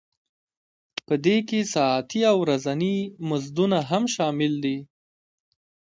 په دې کې ساعتي او ورځني مزدونه شامل دي